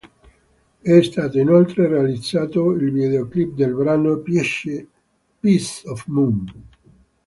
È stato inoltre realizzato il videoclip del brano "Piece Of Moon".